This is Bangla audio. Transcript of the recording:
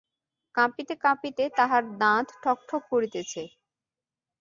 কাঁপিতে কাঁপিতে তাহার দাঁত ঠক ঠক করিতেছে।